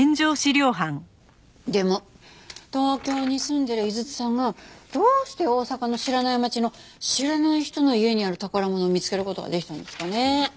でも東京に住んでる井筒さんがどうして大阪の知らない街の知らない人の家にある宝物を見つける事ができたんですかね？